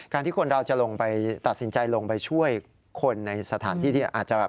ที่คนเราจะลงไปตัดสินใจลงไปช่วยคนในสถานที่ที่อาจจะแบบ